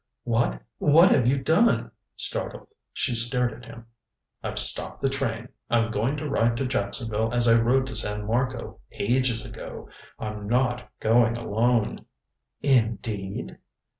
"What what have you done?" Startled, she stared at him. "I've stopped the train. I'm going to ride to Jacksonville as I rode to San Marco ages ago. I'm not going alone." "Indeed?"